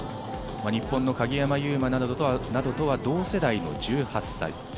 日本の鍵山優真などとは同世代の１８歳。